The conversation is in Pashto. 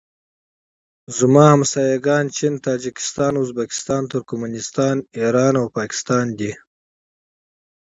زما ګاونډیان چین تاجکستان ازبکستان ترکنستان ایران او پاکستان دي